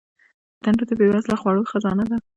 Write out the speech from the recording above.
تنور د بې وزله خوړو خزانه ده